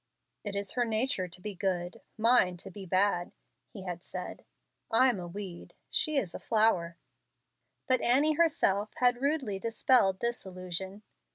"It's her nature to be good, mine to be bad," he had said; "I'm a weed, she is a flower." But Annie herself had rudely dispelled this illusion.